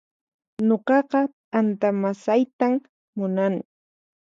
Nuqaqa t'anta masaytan munani